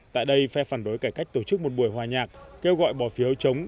tại đây phe phản đối cải cách tổ chức một buổi hòa nhạc kêu gọi bỏ phiếu chống